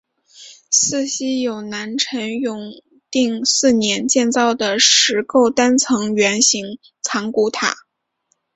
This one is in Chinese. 寺西有南陈永定四年建造的石构单层圆形藏骨塔。